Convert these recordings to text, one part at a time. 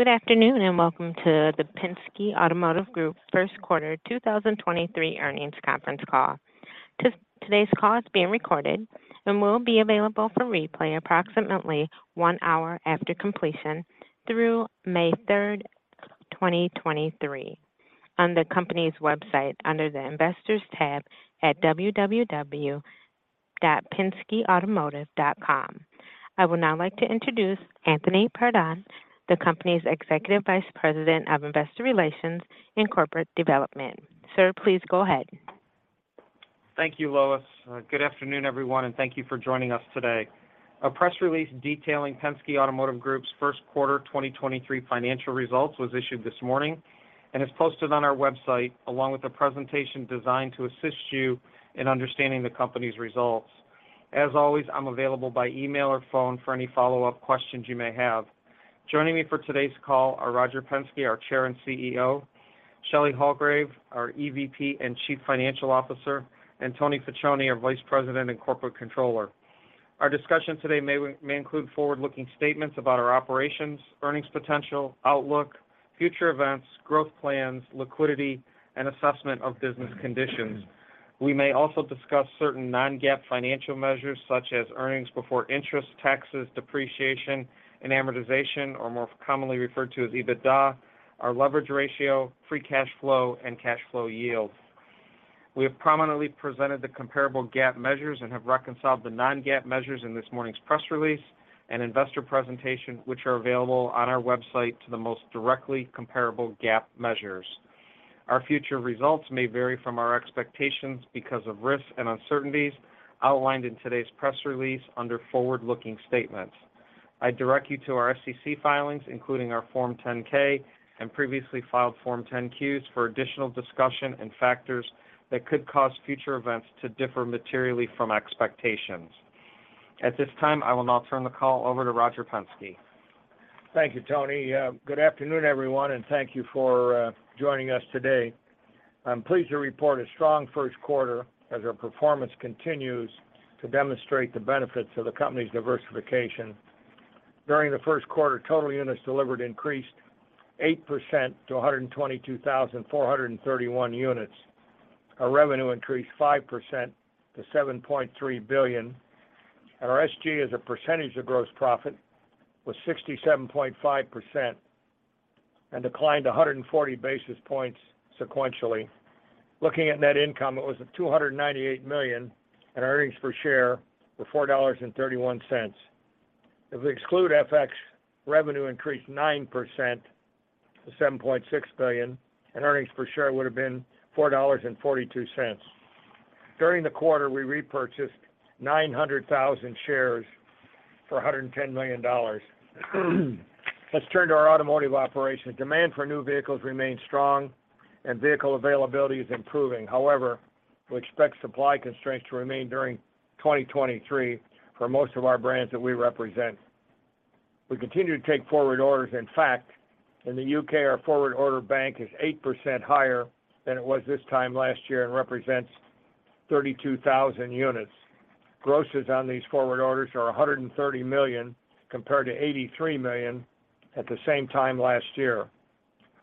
Good afternoon, and welcome to the Penske Automotive Group First Quarter 2023 Earnings Conference Call. Today's call is being recorded and will be available for replay approximately one hour after completion through May 3rd, 2023 on the company's website under the Investors tab at www.penskeautomotive.com. I would now like to introduce Anthony Pordon, the company's Executive Vice President of Investor Relations and Corporate Development. Sir, please go ahead. Thank you, Lois. Good afternoon, everyone, and thank you for joining us today. A press release detailing Penske Automotive Group's first quarter 2023 financial results was issued this morning and is posted on our website, along with a presentation designed to assist you in understanding the company's results. As always, I'm available by email or phone for any follow-up questions you may have. Joining me for today's call are Roger Penske, our Chair and CEO, Shelley Hulgrave, our EVP and Chief Financial Officer, and Tony Facione, our Vice President and Corporate Controller. Our discussion today may include forward-looking statements about our operations, earnings potential, outlook, future events, growth plans, liquidity, and assessment of business conditions. We may also discuss certain non-GAAP financial measures, such as earnings before interest, taxes, depreciation, and amortization, or more commonly referred to as EBITDA, our leverage ratio, free cash flow, and cash flow yields. We have prominently presented the comparable GAAP measures and have reconciled the non-GAAP measures in this morning's press release and investor presentation, which are available on our website to the most directly comparable GAAP measures. Our future results may vary from our expectations because of risks and uncertainties outlined in today's press release under forward-looking statements. I direct you to our SEC filings, including our Form 10-K, and previously filed Form 10-Qs for additional discussion and factors that could cause future events to differ materially from expectations. At this time, I will now turn the call over to Roger Penske. Thank you, Tony. Good afternoon, everyone, thank you for joining us today. I'm pleased to report a strong first quarter as our performance continues to demonstrate the benefits of the company's diversification. During the first quarter, total units delivered increased 8% to 122,431 units. Our revenue increased 5% to $7.3 billion, our SG&A as a percentage of gross profit was 67.5% and declined 140 basis points sequentially. Looking at net income, it was at $298 million, earnings per share were $4.31. If we exclude FX, revenue increased 9% to $7.6 billion, earnings per share would have been $4.42. During the quarter, we repurchased 900,000 shares for $110 million. Let's turn to our automotive operations. Demand for new vehicles remains strong, and vehicle availability is improving. However, we expect supply constraints to remain during 2023 for most of our brands that we represent. We continue to take forward orders. In fact, in the U.K., our forward order bank is 8% higher than it was this time last year and represents 32,000 units. Grosses on these forward orders are $130 million, compared to $83 million at the same time last year.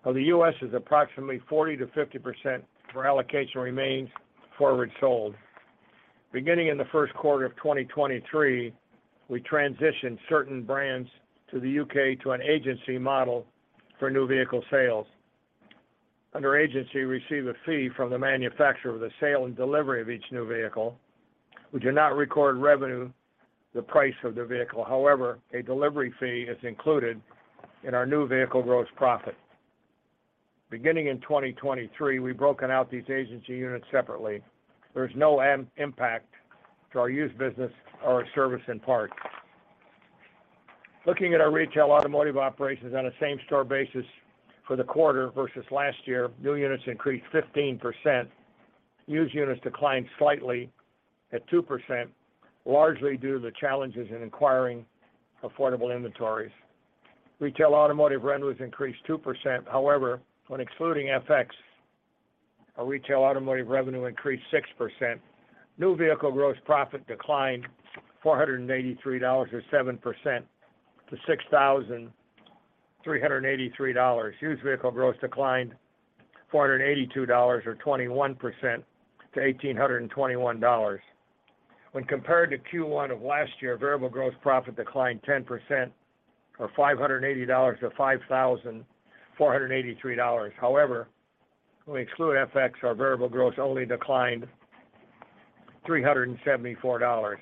The U.S. is approximately 40%-50% where allocation remains forward sold. Beginning in the first quarter of 2023, we transitioned certain brands to the U.K. to an agency model for new vehicle sales. Under agency, we receive a fee from the manufacturer of the sale and delivery of each new vehicle. We do not record revenue the price of the vehicle. However, a delivery fee is included in our new vehicle gross profit. Beginning in 2023, we've broken out these agency units separately. There's no impact to our used business or our service in part. Looking at our retail automotive operations on a same store basis for the quarter versus last year, new units increased 15%. Used units declined slightly at 2%, largely due to the challenges in acquiring affordable inventories. Retail automotive revenues increased 2%. However, when excluding FX, our retail automotive revenue increased 6%. New vehicle gross profit declined $483 or 7% to $6,383. Used vehicle gross declined $482 or 21% to $1,821. When compared to Q1 of last year, variable gross profit declined 10% or $580 to $5,483. When we exclude FX, our variable gross only declined $374.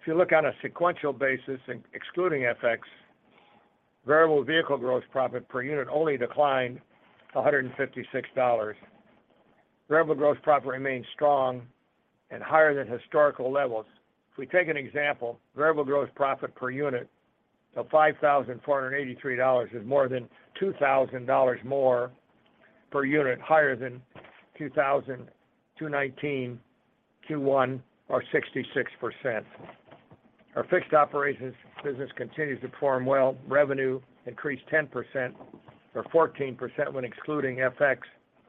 If you look on a sequential basis excluding FX, variable vehicle gross profit per unit only declined $156. Variable gross profit remains strong and higher than historical levels. If we take an example, variable gross profit per unit to $5,483 is more than $2,000 more per unit higher than 2019 Q1 or 66%. Our fixed operations business continues to perform well. Revenue increased 10% or 14% when excluding FX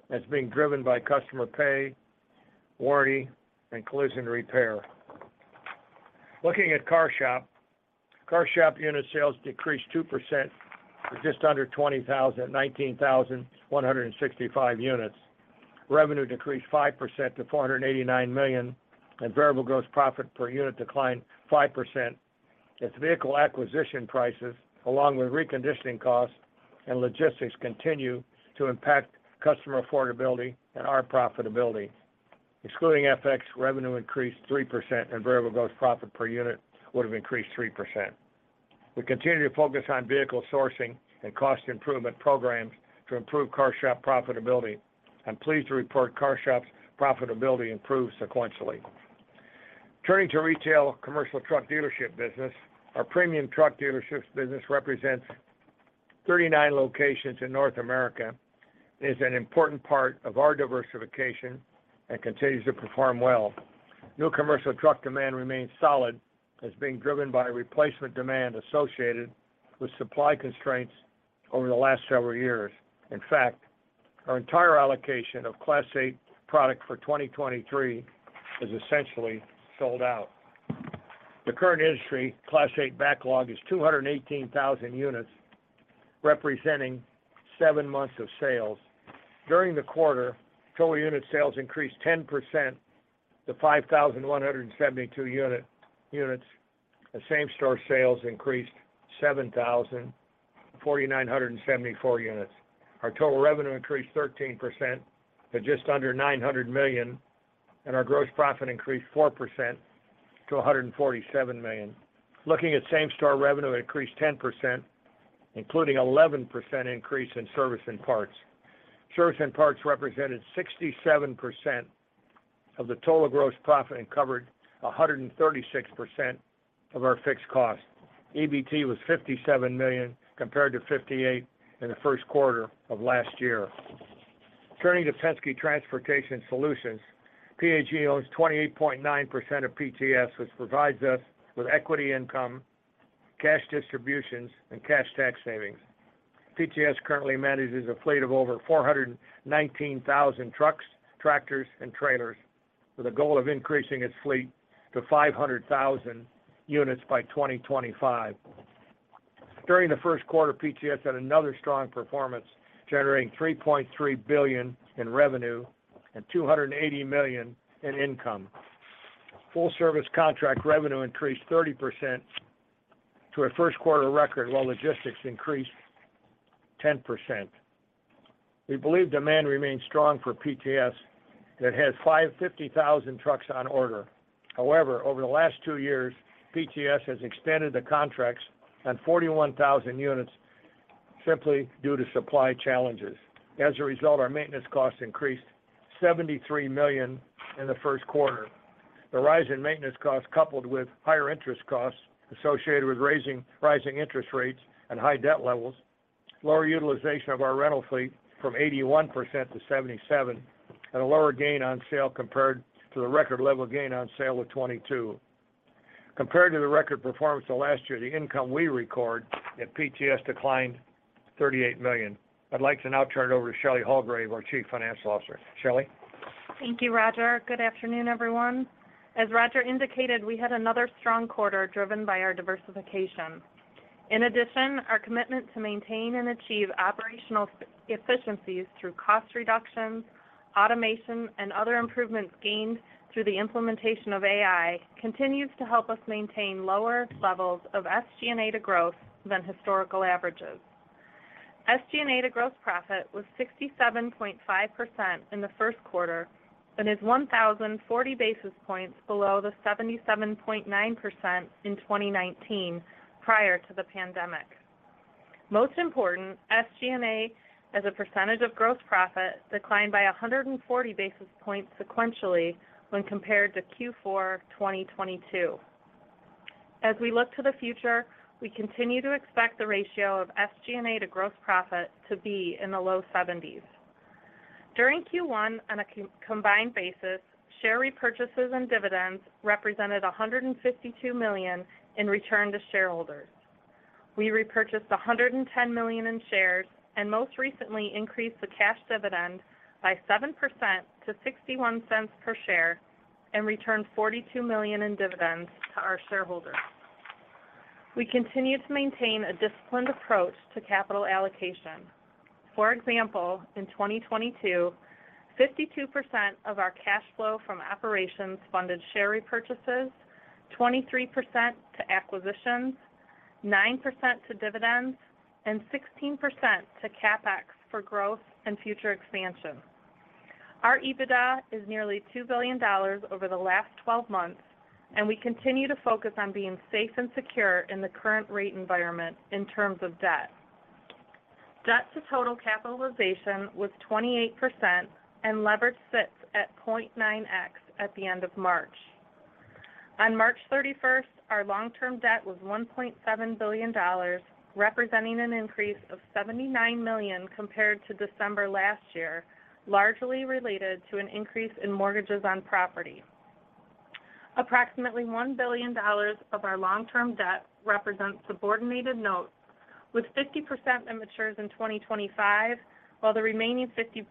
as being driven by customer pay, warranty, and collision repair. Looking at CarShop. CarShop unit sales decreased 2% to just under 20,000, 19,165 units. Revenue decreased 5% to $489 million, and variable gross profit per unit declined 5%. Vehicle acquisition prices, along with reconditioning costs and logistics continue to impact customer affordability and our profitability. Excluding FX, revenue increased 3% and variable gross profit per unit would have increased 3%. We continue to focus on vehicle sourcing and cost improvement programs to improve CarShop profitability. I'm pleased to report CarShop's profitability improved sequentially. Turning to retail commercial truck dealership business. Our premium truck dealerships business represents 39 locations in North America, and is an important part of our diversification and continues to perform well. New commercial truck demand remains solid as being driven by replacement demand associated with supply constraints over the last several years. In fact, our entire allocation of Class 8 product for 2023 is essentially sold out. The current industry Class 8 backlog is 218,000 units, representing seven months of sales. During the quarter, total unit sales increased 10% to 5,172 units, the same store sales increased 7,000 4,900 and 74 units. Our total revenue increased 13% to just under $900 million, and our gross profit increased 4% to $147 million. Looking at same store revenue, it increased 10%, including 11% increase in service and parts. Service and parts represented 67% of the total gross profit, covered 136% of our fixed cost. EBT was $57 million compared to $58 million in the first quarter of last year. Turning to Penske Transportation Solutions. PAG owns 28.9% of PTS, which provides us with equity income, cash distributions, and cash tax savings. PTS currently manages a fleet of over 419,000 trucks, tractors, and trailers, with a goal of increasing its fleet to 500,000 units by 2025. During the first quarter, PTS had another strong performance, generating $3.3 billion in revenue and $280 million in income. Full service contract revenue increased 30% to a first quarter record, while logistics increased 10%. We believe demand remains strong for PTS that has 50,000 trucks on order. Over the last two years, PTS has extended the contracts on 41,000 units simply due to supply challenges. As a result, our maintenance costs increased $73 million in the first quarter. The rise in maintenance costs, coupled with higher interest costs associated with rising interest rates and high debt levels, lower utilization of our rental fleet from 81% to 77%, and a lower gain on sale compared to the record level gain on sale of $22 million. Compared to the record performance of last year, the income we record at PTS declined $38 million. I'd like to now turn it over to Shelley Hulgrave, our Chief Financial Officer. Shelley? Thank you, Roger. Good afternoon, everyone. As Roger indicated, we had another strong quarter driven by our diversification. Our commitment to maintain and achieve operational efficiencies through cost reductions, automation, and other improvements gained through the implementation of AI continues to help us maintain lower levels of SG&A to growth than historical averages. SG&A to growth profit was 67.5% in the first quarter and is 1,040 basis points below the 77.9% in 2019 prior to the pandemic. Most important, SG&A as a percentage of gross profit declined by 140 basis points sequentially when compared to Q4 2022. As we look to the future, we continue to expect the ratio of SG&A to gross profit to be in the low seventies. During Q1, on a combined basis, share repurchases and dividends represented $152 million in return to shareholders. We repurchased $110 million in shares and most recently increased the cash dividend by 7% to $0.61 per share and returned $42 million in dividends to our shareholders. We continue to maintain a disciplined approach to capital allocation. For example, in 2022, 52% of our cash flow from operations funded share repurchases, 23% to acquisitions, 9% to dividends, and 16% to CapEx for growth and future expansion. Our EBITDA is nearly $2 billion over the last 12 months, and we continue to focus on being safe and secure in the current rate environment in terms of debt. Debt to total capitalization was 28% and leverage sits at 0.9x at the end of March. On March 31st on compared to December last year, largely related to an increase in mortgages on property. Approximately $1 billion of our long-term debt represents subordinated notes with 50% that matures in 2025, while the remaining 50%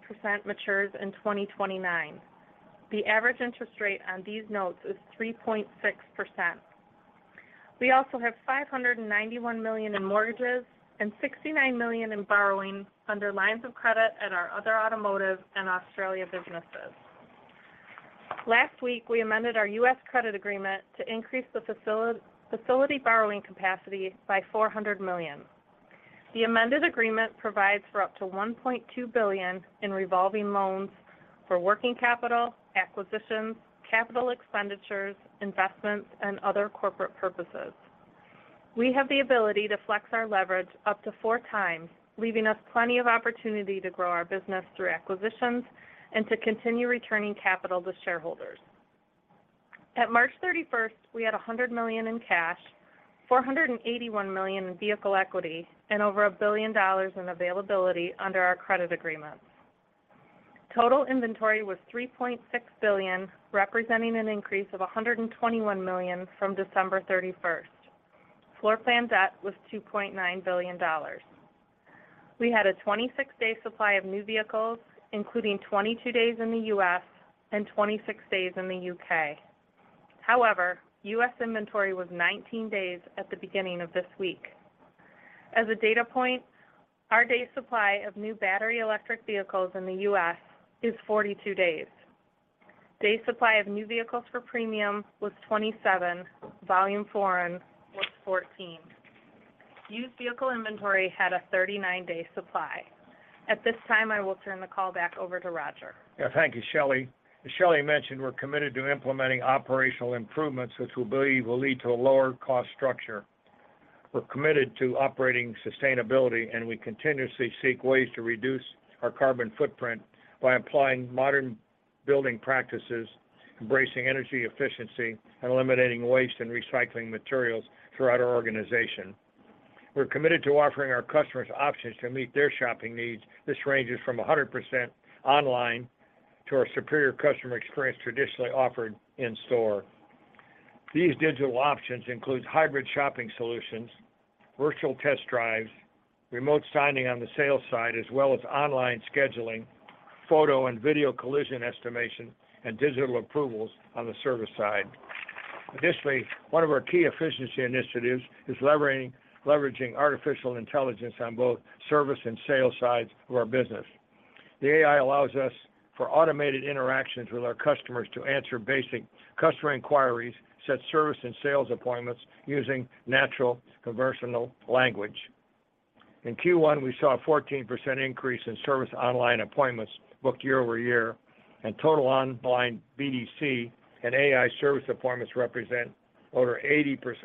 matures in 2029. The average interest rate on these notes is 3.6%. We also have $591 million in mortgages and $69 million in borrowing under lines of credit at our other automotive and Australia businesses. Last week, we amended our U.S. credit agreement to increase the facility borrowing capacity by $400 million. The amended agreement provides for up to $1.2 billion in revolving loans for working capital, acquisitions, capital expenditures, investments, and other corporate purposes. We have the ability to flex our leverage up to 4x, leaving us plenty of opportunity to grow our business through acquisitions and to continue returning capital to shareholders. At March 31st, we had $100 million in cash, $481 million in vehicle equity, and over $1 billion in availability under our credit agreements. Total inventory was $3.6 billion, representing an increase of $121 million from December 31st. Floor plan debt was $2.9 billion. We had a 26-day supply of new vehicles, including 22 days in the U.S. and 26 days in the U.K. However, U.S. inventory was 19 days at the beginning of this week. As a data point, our day supply of new battery electric vehicles in the U.S. is 42 days. Day supply of new vehicles for premium was 27, volume foreign was 14. Used vehicle inventory had a 39-day supply. At this time, I will turn the call back over to Roger. Yeah. Thank you, Shelley. As Shelley mentioned, we're committed to implementing operational improvements, which we believe will lead to a lower cost structure. We're committed to operating sustainability. We continuously seek ways to reduce our carbon footprint by applying modern building practices, embracing energy efficiency, and eliminating waste and recycling materials throughout our organization. We're committed to offering our customers options to meet their shopping needs. This ranges from 100% online to our superior customer experience traditionally offered in-store. These digital options includes hybrid shopping solutions, virtual test drives, remote signing on the sales side, as well as online scheduling, photo and video collision estimation, and digital approvals on the service side. Additionally, one of our key efficiency initiatives is leveraging artificial intelligence on both service and sales sides of our business. The AI allows us for automated interactions with our customers to answer basic customer inquiries, set service and sales appointments using natural conversational language. In Q1, we saw a 14% increase in service online appointments booked year-over-year. Total online BDC and AI service appointments represent over 80%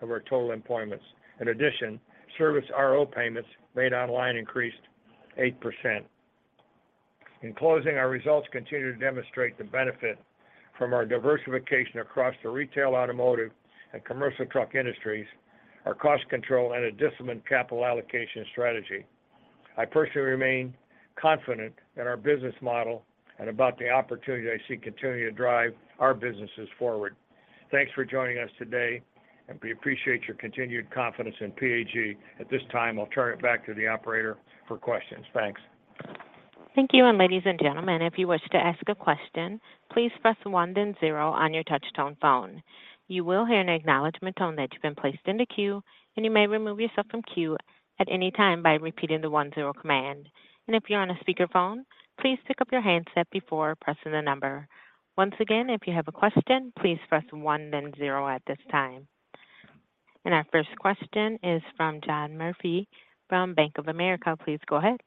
of our total appointments. In addition, service RO payments made online increased 8%. In closing, our results continue to demonstrate the benefit from our diversification across the retail automotive and commercial truck industries, our cost control and a disciplined capital allocation strategy. I personally remain confident in our business model and about the opportunity I see continuing to drive our businesses forward. Thanks for joining us today. We appreciate your continued confidence in PAG. At this time, I'll turn it back to the operator for questions. Thanks. Thank you. Ladies and gentlemen, if you wish to ask a question, please press one then zero on your touch-tone phone. You will hear an acknowledgment tone that you've been placed in the queue, you may remove yourself from queue at any time by repeating the one to zero command. If you're on a speakerphone, please pick up your handset before pressing the number. Once again, if you have a question, please press one then zero at this time. Our first question is from John Murphy from Bank of America. Please go ahead.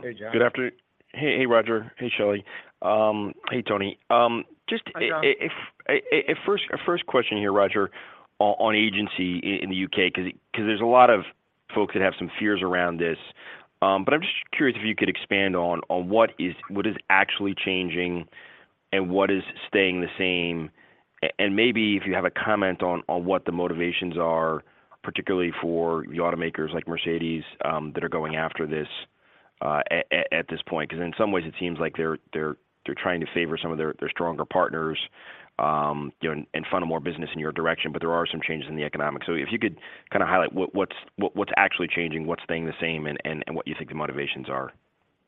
Hey, John. Hey, Roger. Hey, Shelley. Hey, Tony. Hi, John. A first question here, Roger, on agency in the U.K., 'cause there's a lot of folks that have some fears around this. But I'm just curious if you could expand on what is actually changing and what is staying the same and maybe if you have a comment on what the motivations are, particularly for the automakers like Mercedes-Benz that are going after this at this point, 'cause in some ways it seems like they're trying to favor some of their stronger partners, you know, and funnel more business in your direction, but there are some changes in the economics. If you could kind of highlight what's actually changing, what's staying the same, and what you think the motivations are.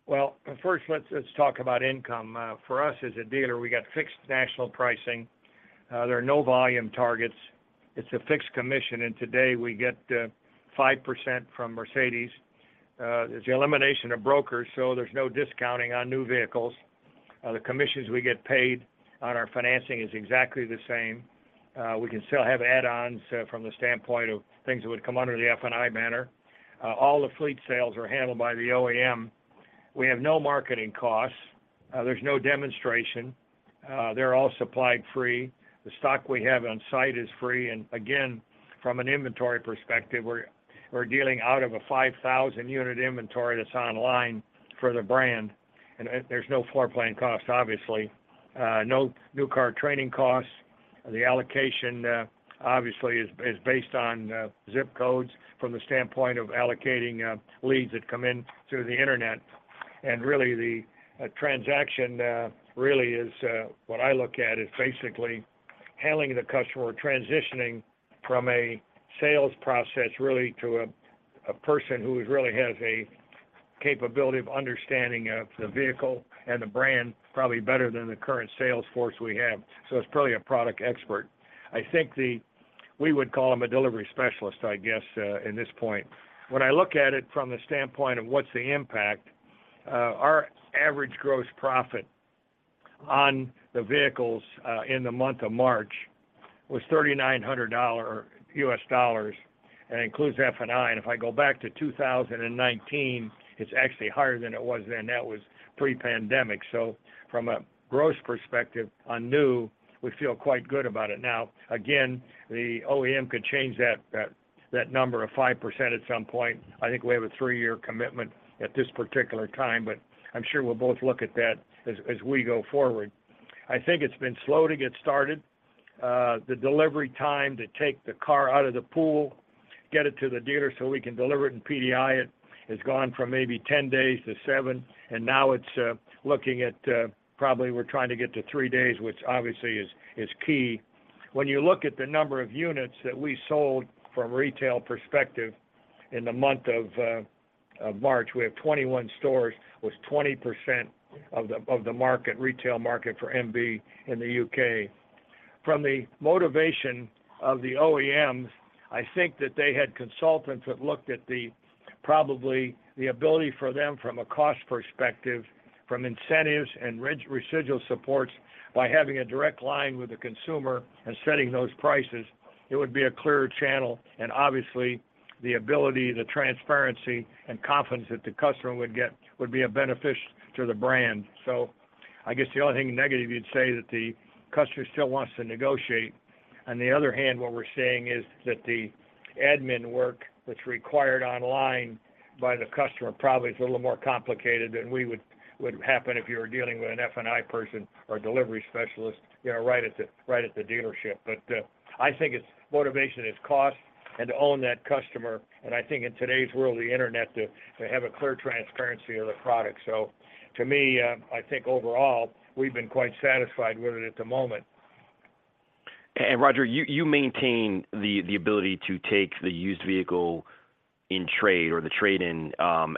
Well, first, let's talk about income. For us as a dealer, we got fixed national pricing. There are no volume targets. It's a fixed commission, and today we get 5% from Mercedes-Benz. It's the elimination of brokers, so there's no discounting on new vehicles. The commissions we get paid on our financing is exactly the same. We can still have add-ons from the standpoint of things that would come under the F&I banner. All the fleet sales are handled by the OEM. We have no marketing costs. There's no demonstration. They're all supplied free. The stock we have on site is free, and again, from an inventory perspective, we're dealing out of a 5,000 unit inventory that's online for the brand, and there's no floor plan cost, obviously. No new car training costs. The allocation, obviously is based on zip codes from the standpoint of allocating leads that come in through the internet. Really the transaction really is what I look at is basically handling the customer, transitioning from a sales process really to a person who really has a capability of understanding of the vehicle and the brand probably better than the current sales force we have. So it's probably a product expert. I think we would call them a delivery specialist, I guess, in this point. When I look at it from the standpoint of what's the impact, our average gross profit on the vehicles in the month of March was $3,900 US dollars. It includes F&I. If I go back to 2019, it's actually higher than it was then. That was pre-pandemic. From a gross perspective on new, we feel quite good about it. Now, again, the OEM could change that number of 5% at some point. I think we have a three-year commitment at this particular time, but I'm sure we'll both look at that as we go forward. I think it's been slow to get started. The delivery time to take the car out of the pool, get it to the dealer so we can deliver it and PDI it, has gone from maybe 10 days to seven, and now it's looking at probably we're trying to get to three days, which obviously is key. When you look at the number of units that we sold from a retail perspective in the month of March, we have 21 stores with 20% of the market, retail market for MB in the UK. From the motivation of the OEMs, I think that they had consultants that looked at the, probably the ability for them from a cost perspective, from incentives and residual supports, by having a direct line with the consumer and setting those prices, it would be a clearer channel. Obviously, the ability, the transparency and confidence that the customer would get would be a benefit to the brand. I guess the only thing negative you'd say that the customer still wants to negotiate. On the other hand, what we're seeing is that the admin work that's required online by the customer probably is a little more complicated than we would happen if you were dealing with an F&I person or a delivery specialist, you know, right at the dealership. I think its motivation is cost and to own that customer, and I think in today's world, the internet to have a clear transparency of the product. To me, I think overall, we've been quite satisfied with it at the moment. Roger, you maintain the ability to take the used vehicle in trade or the trade-in,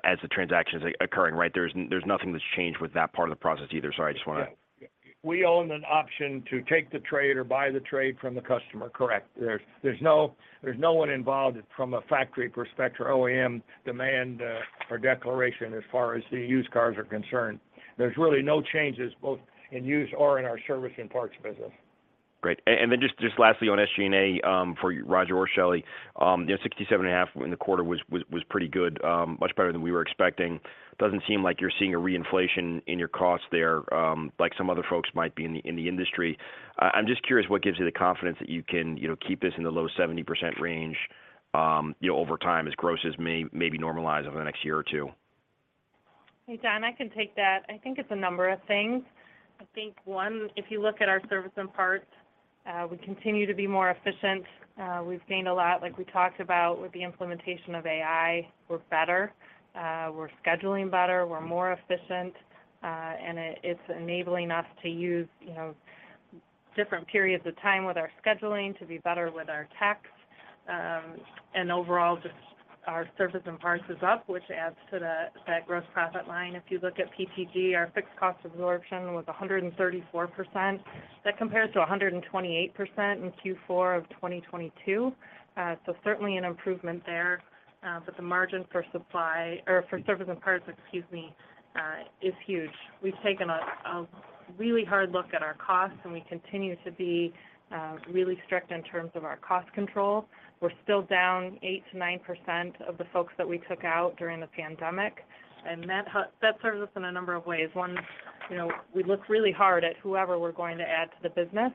as the transaction is occurring, right? There's nothing that's changed with that part of the process either. Sorry. Yeah. We own an option to take the trade or buy the trade from the customer. Correct. There's no one involved from a factory perspective or OEM demand or declaration as far as the used cars are concerned. There's really no changes both in used or in our service and parts business. Great. Just lastly on SG&A for Roger or Shelley. You know, 67.5% in the quarter was pretty good, much better than we were expecting. Doesn't seem like you're seeing a reinflation in your costs there, like some other folks might be in the industry. I'm just curious what gives you the confidence that you can, you know, keep this in the low 70% range, you know, over time as grosses maybe normalize over the next year or two. Hey, John, I can take that. I think it's a number of things. I think one, if you look at our service and parts, we continue to be more efficient. We've gained a lot, like we talked about with the implementation of AI. We're better, we're scheduling better, we're more efficient, and it's enabling us to use, you know, different periods of time with our scheduling to be better with our techs. Overall just our service and parts is up, which adds to that gross profit line. If you look at PTG, our fixed cost absorption was 134%. That compares to 128% in Q4 of 2022. Certainly an improvement there. The margin for supply or for service and parts, excuse me, is huge. We've taken a really hard look at our costs, and we continue to be really strict in terms of our cost control. We're still down 8%-9% of the folks that we took out during the pandemic. That serves us in a number of ways. One, you know, we look really hard at whoever we're going to add to the business,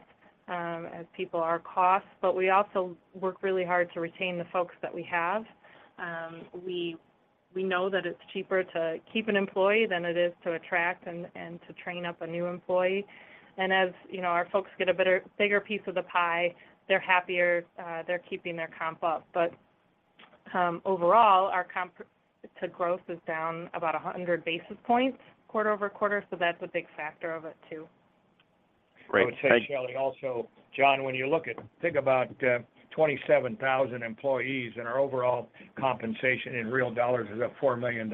as people are costs. We also work really hard to retain the folks that we have. We know that it's cheaper to keep an employee than it is to attract and to train up a new employee. As, you know, our folks get a better, bigger piece of the pie, they're happier, they're keeping their comp up. Overall, our comp to growth is down about 100 basis points quarter-over-quarter, so that's a big factor of it too. Great. I would say, Shelley, also, John, when you look at, think about, 27,000 employees and our overall compensation in real dollars is up $4 million.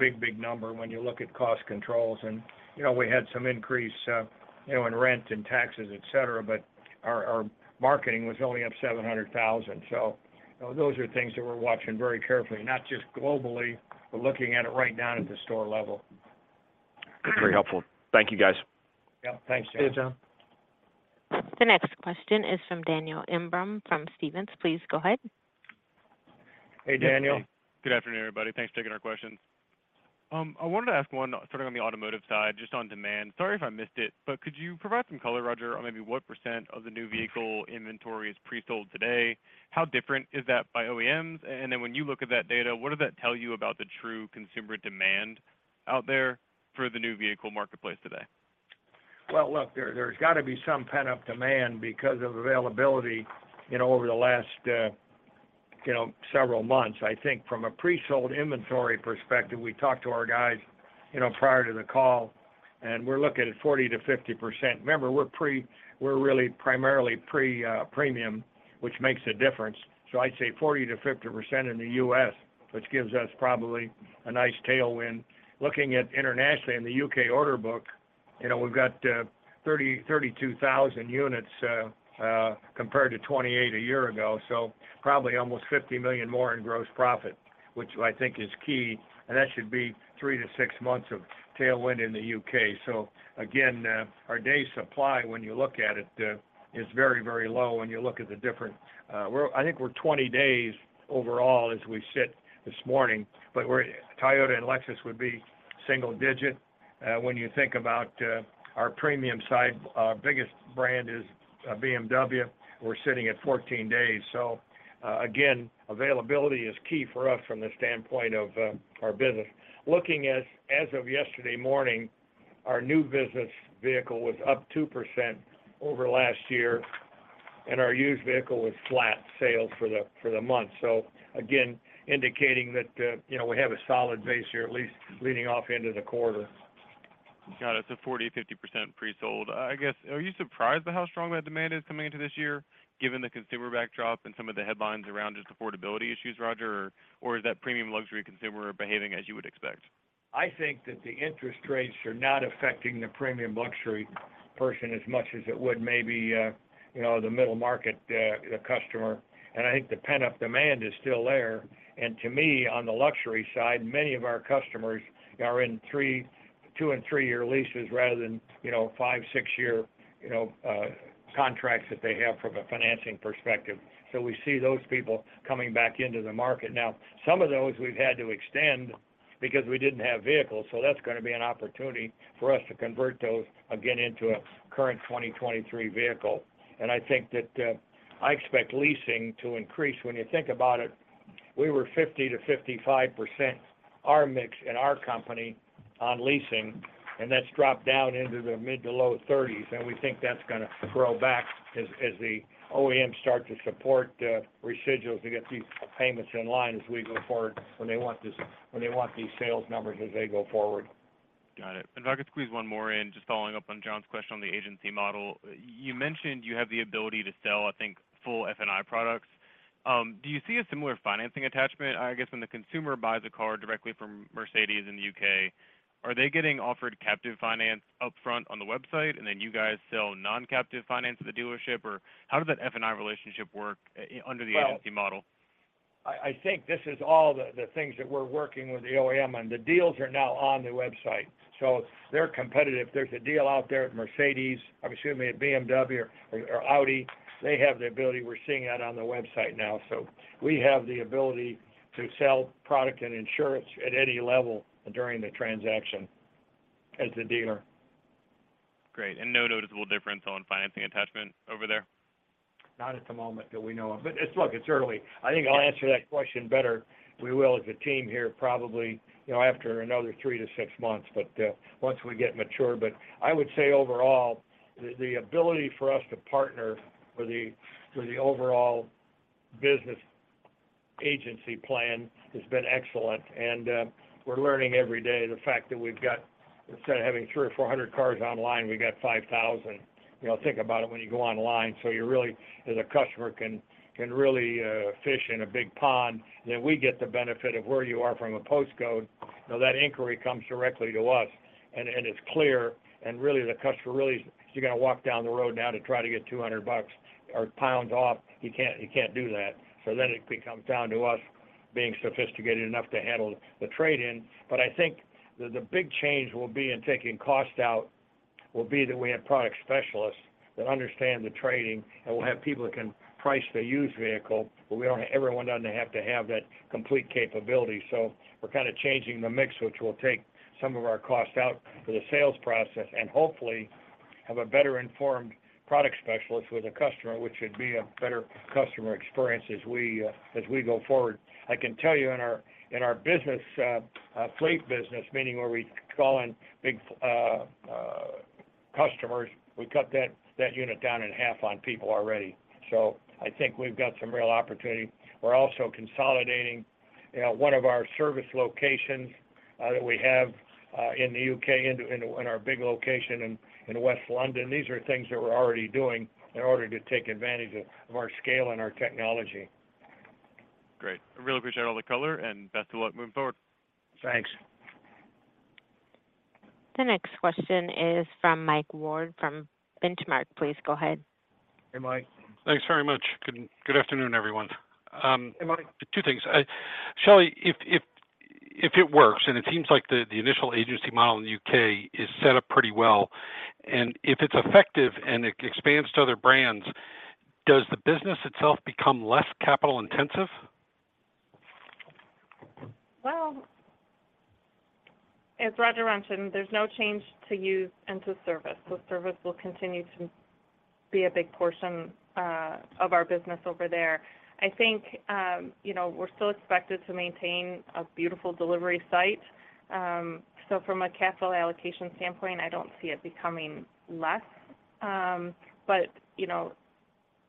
Big, big number when you look at cost controls. You know, we had some increase, you know, in rent and taxes, et cetera, but our marketing was only up $700,000. You know, those are things that we're watching very carefully, not just globally, but looking at it right down at the store level. That's very helpful. Thank you, guys. Yeah. Thanks, John. See ya, John. The next question is from Daniel Imbro from Stephens. Please go ahead. Hey, Daniel. Hey. Good afternoon, everybody. Thanks for taking our questions. I wanted to ask one starting on the automotive side, just on demand. Sorry if I missed it, but could you provide some color, Roger, on maybe what percent of the new vehicle inventory is pre-sold today? How different is that by OEMs? Then when you look at that data, what does that tell you about the true consumer demand out there for the new vehicle marketplace today? Well, look, there's got to be some pent-up demand because of availability, you know, over the last, you know, several months. I think from a pre-sold inventory perspective, we talked to our guys, you know, prior to the call, and we're looking at 40%-50%. Remember, we're really primarily pre-premium, which makes a difference. I'd say 40%-50% in the U.S., which gives us probably a nice tailwind. Looking at internationally in the U.K. order book, you know, we've got 30,000-32,000 units, compared to 28 a year ago, so probably almost 50 million more in gross profit, which I think is key. That should be three to six months of tailwind in the U.K. Again, our day supply, when you look at it, is very, very low when you look at the difference. I think we're 20 days overall as we sit this morning. Toyota and Lexus would be single digit. When you think about our premium side, our biggest brand is BMW. We're sitting at 14 days. Again, availability is key for us from the standpoint of our business. As of yesterday morning, our new business vehicle was up 2% over last year. Our used vehicle was flat sales for the month. Again, indicating that, you know, we have a solid base here, at least leading off into the quarter. Got it. 40%-50% pre-sold. I guess, are you surprised by how strong that demand is coming into this year, given the consumer backdrop and some of the headlines around just affordability issues, Roger? Is that premium luxury consumer behaving as you would expect? I think that the interest rates are not affecting the premium luxury person as much as it would maybe, you know, the middle market customer. I think the pent-up demand is still there. To me, on the luxury side, many of our customers are in three, two and three-year leases rather than, you know, five six year, you know, contracts that they have from a financing perspective. We see those people coming back into the market. Now, some of those we've had to extend because we didn't have vehicles, so that's gonna be an opportunity for us to convert those again into a current 2023 vehicle. I think that, I expect leasing to increase. When you think about it, we were 50%-55% our mix in our company on leasing, and that's dropped down into the mid to low 30s. We think that's gonna grow back as the OEM start to support residuals to get these payments in line as we go forward when they want these sales numbers as they go forward. Got it. If I could squeeze one more in, just following up on John's question on the agency model. You mentioned you have the ability to sell, I think, full F&I products. Do you see a similar financing attachment? I guess, when the consumer buys a car directly from Mercedes-Benz in the UK, are they getting offered captive finance upfront on the website, and then you guys sell non-captive finance to the dealership? How does that F&I relationship work, under the agency model? I think this is all the things that we're working with the OEM on. The deals are now on the website, so they're competitive. There's a deal out there at Mercedes-Benz, or excuse me, at BMW or Audi. They have the ability, we're seeing that on their website now. We have the ability to sell product and insurance at any level during the transaction as the dealer. Great. No noticeable difference on financing attachment over there? Not at the moment that we know of. It's look, it's early. I think I'll answer that question better, we will as a team here probably, you know, after another three to six months, once we get mature. I would say overall, the ability for us to partner for the overall business agency plan has been excellent, we're learning every day. The fact that we've got instead of having 300 or 400 cars online, we've got 5,000. You know, think about it when you go online, you really, as a customer, can really fish in a big pond. We get the benefit of where you are from a postcode. That inquiry comes directly to us, and it's clear really, the customer really. If you're gonna walk down the road now to try to get 200 GBP or 200 GBP off, you can't do that. It becomes down to us being sophisticated enough to handle the trade-in. I think the big change will be in taking cost out, will be that we have product specialists that understand the trading, and we'll have people that can price the used vehicle, but everyone doesn't have to have that complete capability. We're kind of changing the mix, which will take some of our costs out for the sales process and hopefully have a better informed product specialist with a customer, which would be a better customer experience as we go forward. I can tell you in our business, fleet business, meaning where we call in big customers, we cut that unit down in half on people already. I think we've got some real opportunity. We're also consolidating one of our service locations that we have in the UK into our big location in West London. These are things that we're already doing in order to take advantage of our scale and our technology. Great. I really appreciate all the color and best of luck moving forward. Thanks. The next question is from Mike Ward from Benchmark. Please go ahead. Hey, Mike. Thanks very much. Good afternoon, everyone. Hey, Mike. Two things. Shelley, if it works, it seems like the initial agency model in the UK is set up pretty well, if it's effective and it expands to other brands, does the business itself become less capital intensive? As Roger Penske mentioned, there's no change to used and to service. Service will continue to be a big portion of our business over there. I think, you know, we're still expected to maintain a beautiful delivery site. From a capital allocation standpoint, I don't see it becoming less. You know,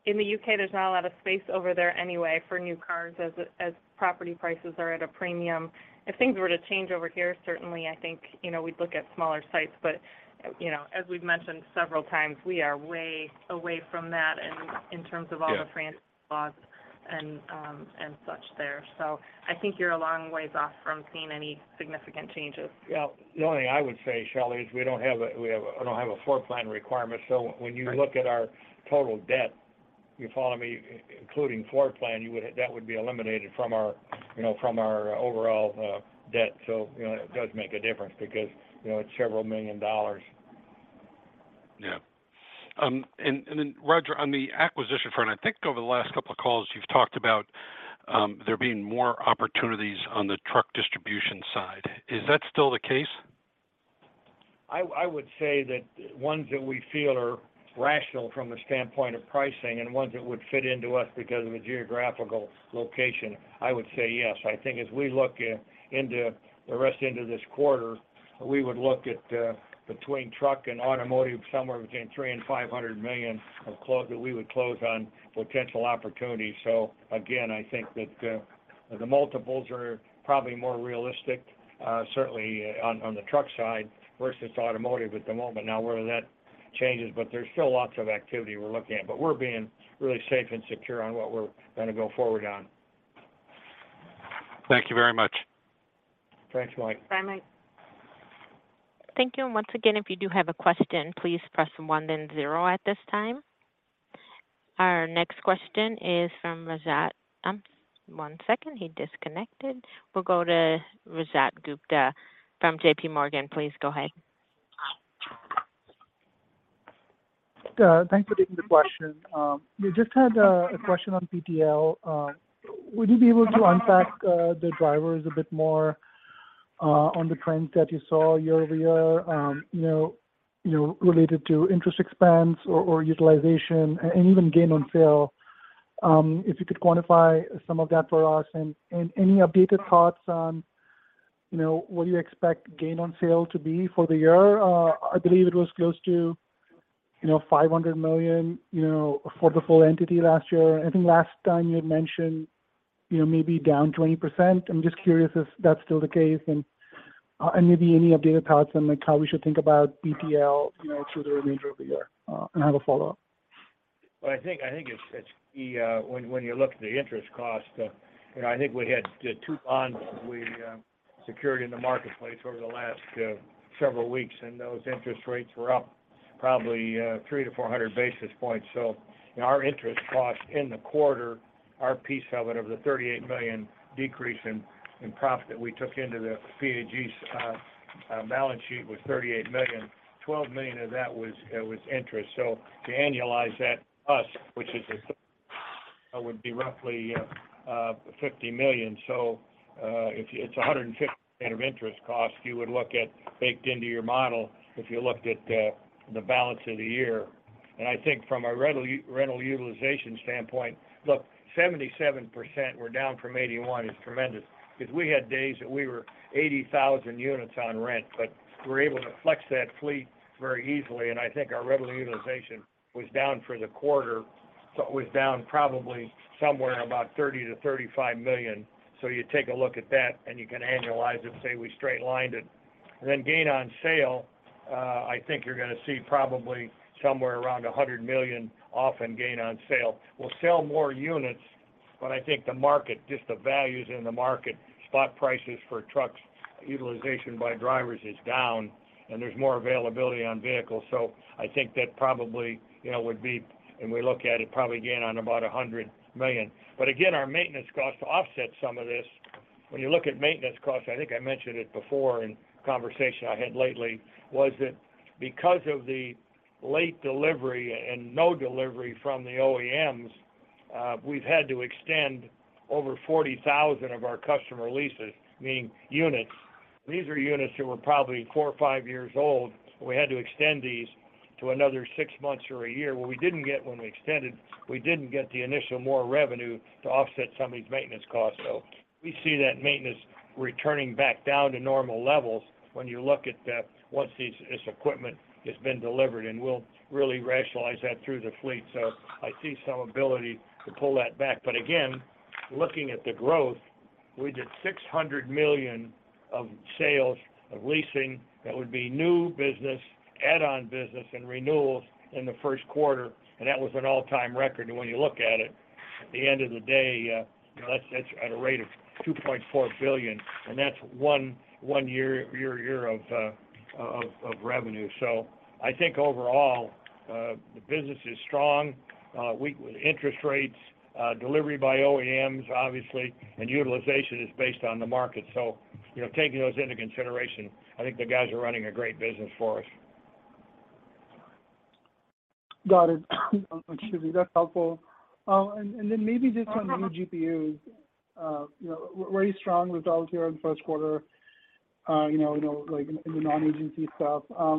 in the U.K., there's not a lot of space over there anyway for new cars as property prices are at a premium. If things were to change over here, certainly, I think, you know, we'd look at smaller sites. You know, as we've mentioned several times, we are way away from that in terms of all franchise laws and such there. I think you're a long way off from seeing any significant changes. Yeah. The only thing I would say, Shelley, is we don't have a floor plan requirement. When you look at our total debt, you follow me, including floor plan, that would be eliminated from our, you know, from our overall debt. You know, it does make a difference because, you know, it's several million dollars. Yeah. Then Roger, on the acquisition front, I think over the last couple of calls, you've talked about, there being more opportunities on the truck distribution side. Is that still the case? I would say that ones that we feel are rational from the standpoint of pricing and ones that would fit into us because of a geographical location, I would say yes. I think as we look into the rest into this quarter, we would look at between truck and automotive, somewhere between $300 million and $500 million that we would close on potential opportunities. Again, I think that the multiples are probably more realistic, certainly on the truck side versus automotive at the moment. Whether that changes, there's still lots of activity we're looking at. We're being really safe and secure on what we're gonna go forward on. Thank you very much. Thanks, Mike. Bye, Mike. Thank you. Once again, if you do have a question, please press 1 then 0 at this time. Our next question is from Rajat. One second, he disconnected. We'll go to Rajat Gupta from JPMorgan. Please go ahead. Thanks for taking the question. We just had a question on PTL. Would you be able to unpack the drivers a bit more on the trends that you saw year-over-year, you know, related to interest expense or utilization and even gain on sale, if you could quantify some of that for us? Any updated thoughts on, you know, what you expect gain on sale to be for the year? I believe it was close to, you know, $500 million for the full entity last year. I think last time you had mentioned, you know, maybe down 20%. I'm just curious if that's still the case. Maybe any updated thoughts on like how we should think about PPL, you know, through the remainder of the year? I have a follow-up. I think it's key when you look at the interest cost, you know, I think we had two bonds we secured in the marketplace over the last several weeks, and those interest rates were up probably 300-400 basis points. Our interest cost in the quarter, our piece of it, of the $38 million decrease in profit that we took into the PAG's balance sheet was $38 million. $12 million of that was interest. To annualize that us, which would be roughly $50 million. It's $150 of interest cost you would look at baked into your model if you looked at the balance of the year. I think from a rental rental utilization standpoint, look, 77%, we're down from 81 is tremendous because we had days that we were 80,000 units on rent, but we're able to flex that fleet very easily. I think our rental utilization was down for the quarter. It was down probably somewhere about $30 million-$35 million. You take a look at that and you can annualize it and say we straight lined it. Then gain on sale, I think you're gonna see probably somewhere around $100 million off in gain on sale. We'll sell more units, but I think the market, just the values in the market, spot prices for trucks, utilization by drivers is down, and there's more availability on vehicles. I think that probably, you know, would be, if we look at it, probably gain on about $100 million. Again, our maintenance costs offset some of this. When you look at maintenance costs, I think I mentioned it before in conversation I had lately, was that because of the late delivery and no delivery from the OEMs, we've had to extend over 40,000 of our customer leases, meaning units. These are units that were probably four or five years old. We had to extend these to another six months or a year. What we didn't get when we extended, we didn't get the initial more revenue to offset some of these maintenance costs. We see that maintenance returning back down to normal levels when you look at that once this equipment has been delivered, and we'll really rationalize that through the fleet. I see some ability to pull that back. Again, looking at the growth, we did $600 million of sales, of leasing, that would be new business, add-on business and renewals in the first quarter. That was an all-time record when you look at it. At the end of the day, you know, that's at a rate of $2.4 billion, that's 1 year of revenue. I think overall, the business is strong. Interest rates, delivery by OEMs, obviously, and utilization is based on the market. You know, taking those into consideration, I think the guys are running a great business for us. Got it. Excuse me. That's helpful. Maybe just on new GPUs, you know, very strong results here in the first quarter, you know, like in the non-agency stuff. How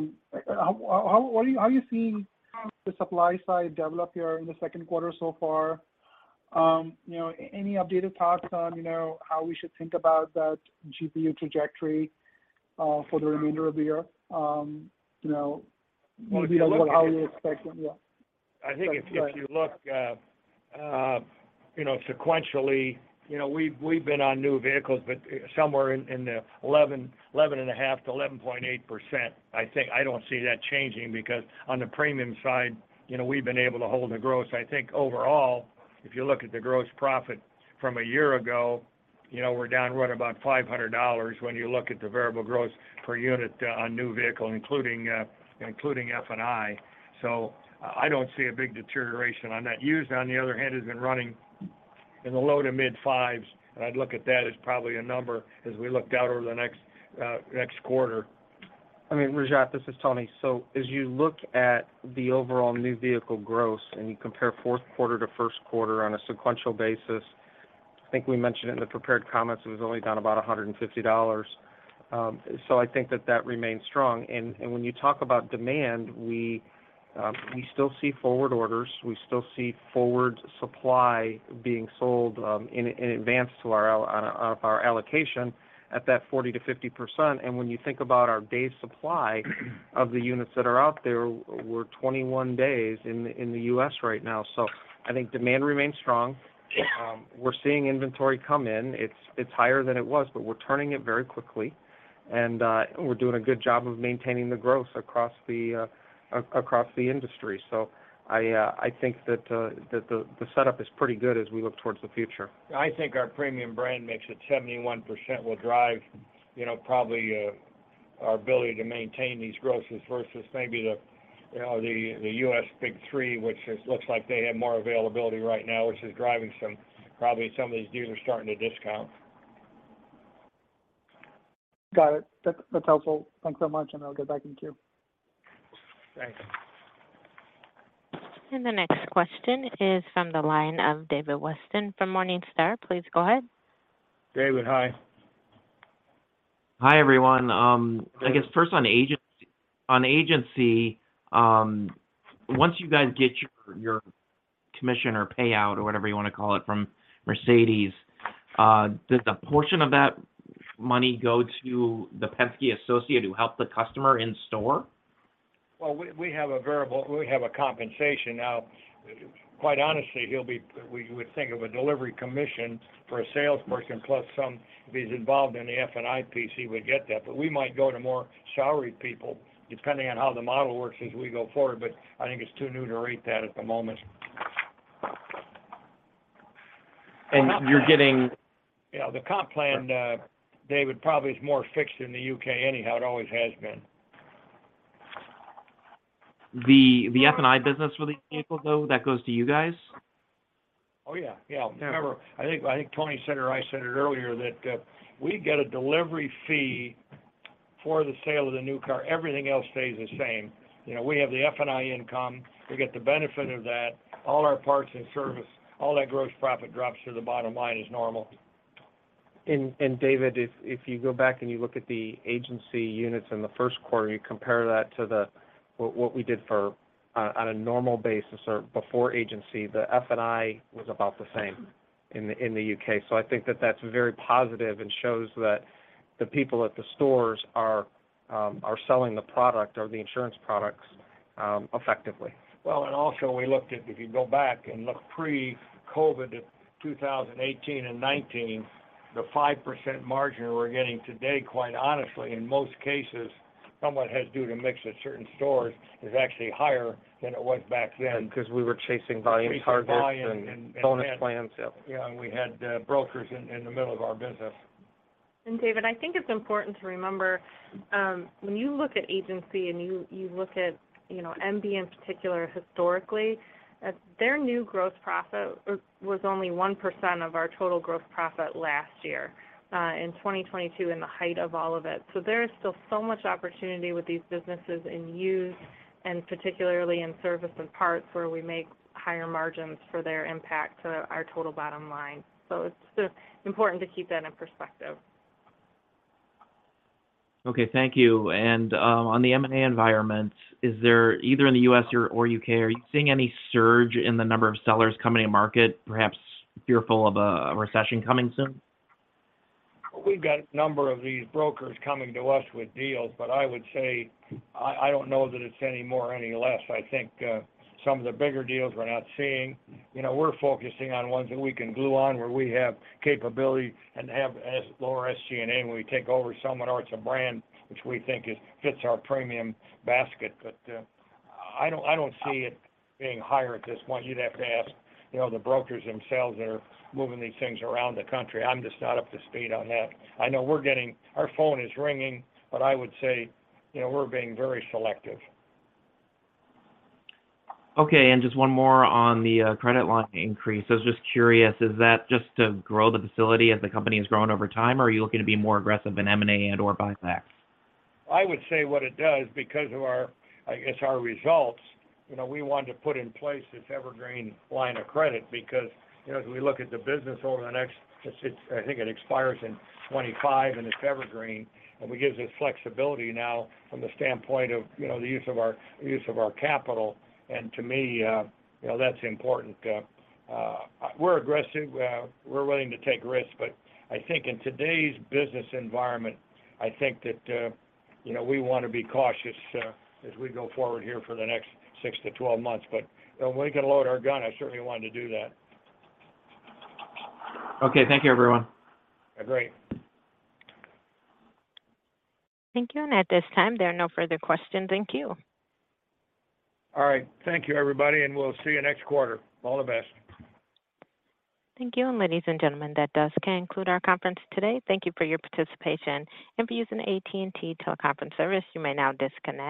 are you seeing the supply side develop here in the second quarter so far? You know, any updated thoughts on, you know, how we should think about that GPU trajectory for the remainder of the year? You know, how are we expecting, yeah. I think if you, if you look, you know, sequentially, you know, we've been on new vehicles, but somewhere in the 11.5 to 11.8%. I think I don't see that changing because on the premium side, you know, we've been able to hold the gross. I think overall, if you look at the gross profit from a year ago, you know, we're down right about $500 when you look at the variable gross per unit on new vehicle, including F&I. I don't see a big deterioration on that. Used, on the other hand, has been running in the low to mid-fives, and I'd look at that as probably a number as we look out over the next quarter. I mean, Rajat, this is Tony. As you look at the overall new vehicle gross and you compare fourth quarter to first quarter on a sequential basis, I think we mentioned in the prepared comments it was only down about $150. I think that remains strong. When you talk about demand, we still see forward orders. We still see forward supply being sold in advance of our allocation at that 40%-50%. When you think about our days supply of the units that are out there, we're 21 days in the U.S. right now. I think demand remains strong. We're seeing inventory come in. It's higher than it was, but we're turning it very quickly. We're doing a good job of maintaining the growth across the industry. I think that the setup is pretty good as we look towards the future. I think our premium brand mix at 71% will drive, you know, probably, our ability to maintain these grosses versus maybe the, you know, the US Big Three, which is, looks like they have more availability right now, which is driving probably some of these dealers starting to discount. Got it. That's helpful. Thanks so much. I'll get back in queue. Thanks. The next question is from the line of David Whiston from Morningstar. Please go ahead. David, hi. Hi, everyone. I guess first on agency. On agency, once you guys get your commission or payout or whatever you wanna call it from Mercedes-Benz, does the portion of that money go to the Penske associate who helped the customer in store? Well, we have a compensation. Quite honestly, we would think of a delivery commission for a salesperson plus some, if he's involved in the F&I piece, he would get that. We might go to more salaried people, depending on how the model works as we go forward, but I think it's too new to rate that at the moment. And you're getting- The comp plan, David, probably is more fixed in the U.K. anyhow. It always has been. The F&I business for these people, though, that goes to you guys? Oh, yeah. Yeah. Remember, I think Tony said or I said it earlier that we get a delivery fee for the sale of the new car. Everything else stays the same. You know, we have the F&I income. We get the benefit of that. All our parts and service, all that gross profit drops to the bottom line as normal. David, if you go back and you look at the agency units in the first quarter, you compare that to what we did for on a normal basis or before agency, the F&I was about the same in the UK. I think that that's very positive and shows that the people at the stores are selling the product or the insurance products effectively. Well, also we looked at, if you go back and look pre-COVID at 2018 and 2019, the 5% margin we're getting today, quite honestly, in most cases, somewhat has to do to mix at certain stores, is actually higher than it was back then. We were chasing volume targets and bonus plans, yeah. Yeah, we had, brokers in the middle of our business. David, I think it's important to remember, when you look at agency and MB in particular historically, their new gross profit was only 1% of our total gross profit last year, in 2022 in the height of all of it. There is still so much opportunity with these businesses in used and particularly in service and parts where we make higher margins for their impact to our total bottom line. It's just important to keep that in perspective. Okay, thank you. On the M&A environment, is there, either in the US or UK, are you seeing any surge in the number of sellers coming to market, perhaps fearful of a recession coming soon? We've got a number of these brokers coming to us with deals, but I would say I don't know that it's any more or any less. I think some of the bigger deals we're not seeing. You know, we're focusing on ones that we can glue on, where we have capability and have lower SG&A when we take over someone or it's a brand which we think fits our premium basket. I don't see it being higher at this point. You'd have to ask, you know, the brokers themselves that are moving these things around the country. I'm just not up to speed on that. I know Our phone is ringing, but I would say, you know, we're being very selective. Okay. Just one more on the credit line increase. I was just curious, is that just to grow the facility as the company has grown over time, or are you looking to be more aggressive in M&A and/or buybacks? I would say what it does because of our, I guess, our results, you know, we want to put in place this evergreen line of credit because, you know, as we look at the business over the next, it's, I think it expires in 25, and it's evergreen, and it gives us flexibility now from the standpoint of, you know, the use of our capital. To me, you know, that's important. We're aggressive. We're willing to take risks. I think in today's business environment, I think that, you know, we wanna be cautious as we go forward here for the next 6 to 12 months. When we can load our gun, I certainly wanted to do that. Okay, thank you, everyone. Agreed. Thank you. At this time, there are no further questions in queue. All right. Thank you, everybody, and we'll see you next quarter. All the best. Thank you. Ladies and gentlemen, that does conclude our conference today. Thank you for your participation. If you're using AT&T teleconference service, you may now disconnect.